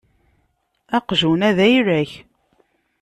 Aqjun-a d ayla-k.